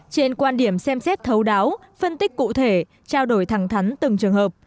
trên quan điểm xem xét thấu đáo phân tích cụ thể trao đổi thẳng thắn từng trường hợp